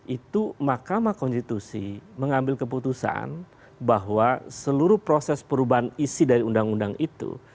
itu mahkamah konstitusi mengambil keputusan bahwa seluruh proses perubahan isi dari undang undang itu